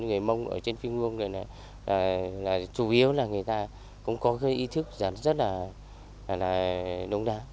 người mông ở trên phiên nguồn này là chủ yếu là người ta cũng có ý thức rất là đúng đáng